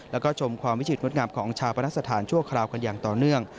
แล้วก็ชมความวิจิตรงดงามของชาปนสถานชั่วคราวกันอย่างต่อเนื่อง